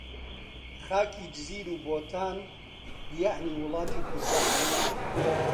خاکی جزیر و بۆتان، یەعنی وڵاتی کوردان